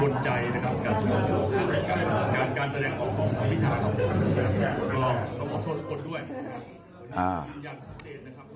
แล้วก็รับขอบทนทุกคนด้วย